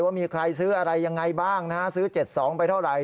ว่ามีใครซื้ออะไรยังไงบ้างนะฮะซื้อ๗๒ไปเท่าไหร